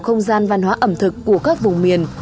không gian văn hóa ẩm thực của các vùng miền